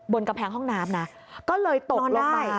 กำแพงห้องน้ำนะก็เลยตกลงไป